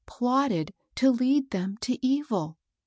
— plotted to lead them to evil.